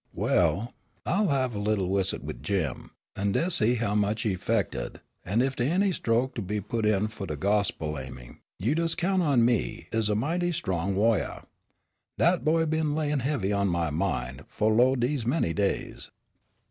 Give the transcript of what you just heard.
"Well, I'll have a little wisit wid Jim, an' des' see how much he 'fected, an' if dey any stroke to be put in fu' de gospel ahmy, you des' count on me ez a mighty strong wa'ior. Dat boy been layin' heavy on my mind fu' lo, dese many days."